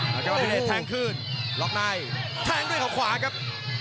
แล้วก็อัภิเทศแทงขึ้นล็อกไนด์แทงด้วยข้าวขวาครับ